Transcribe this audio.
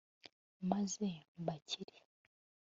maze mbakire